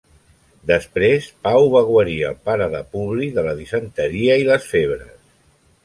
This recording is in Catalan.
Després, Pau va guarir el pare de Publi de la disenteria i les febres.